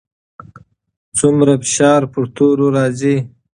څومره فشار پر تورو راځي؟